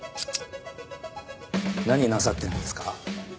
何なさってるんですか？